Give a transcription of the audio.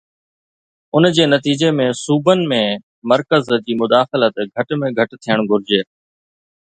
ان جي نتيجي ۾ صوبن ۾ مرڪز جي مداخلت گهٽ ۾ گهٽ ٿيڻ گهرجي.